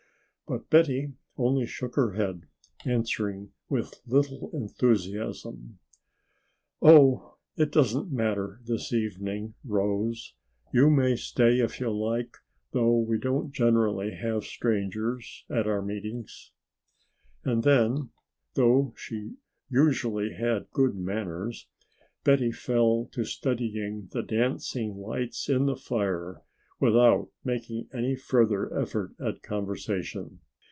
But Betty only shook her head, answering with little enthusiasm: "Oh, it doesn't matter this evening, Rose, you may stay if you like, though we don't generally have strangers at our meetings." And then, though she usually had good manners, Betty fell to studying the dancing lights in the fire without making any further effort at conversation.